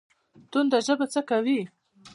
تنده ژبه څه کوي؟